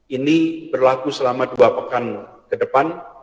ini berlaku selama dua pekan ke depan